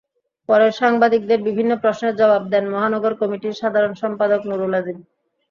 পরে সাংবাদিকদের বিভিন্ন প্রশ্নের জবাব দেন মহানগর কমিটির সাধারণ সম্পাদক নুরুল আজিম।